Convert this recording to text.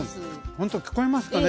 ほんと聞こえますかね？